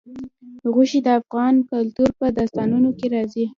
غوښې د افغان کلتور په داستانونو کې راځي.